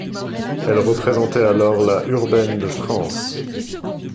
Elle représentait alors la urbaine de France.